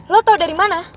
lo tau dari mana